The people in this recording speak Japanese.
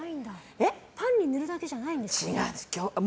パンに塗るだけじゃないんですね。